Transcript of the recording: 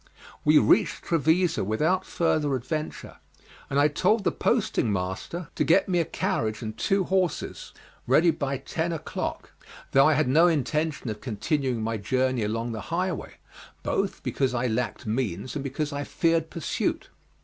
We reached Trevisa without further adventure, and I told the posting master to get me a carriage and two horses ready by ten o'clock; though I had no intention of continuing my journey along the highway, both because I lacked means, and because I feared pursuit.